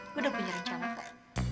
gue udah punya rencana pak